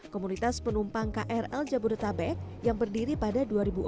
komunitas penumpang krl jabodetabek yang berdiri pada dua ribu empat belas